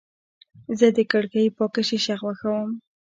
زه د کړکۍ پاکه شیشه خوښوم.